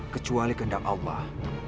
kecuali kendama allah